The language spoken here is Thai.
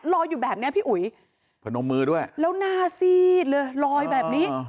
อยู่แบบเนี้ยพี่อุ๋ยพนมมือด้วยแล้วหน้าซีดเลยลอยแบบนี้